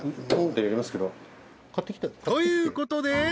［ということで］